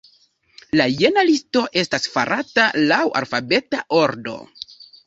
La jena listo estas farata laŭ alfabeta ordo.